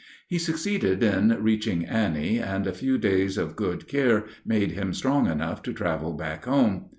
He succeeded in reaching Annie, and a few days of good care made him strong enough to travel back home.